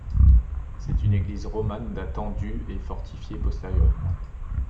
C'est une église romane datant du et fortifiée postérieurement.